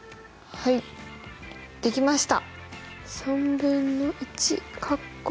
はいできました！